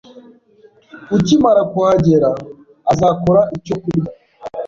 Ukimara kuhagera, azakora icyo kurya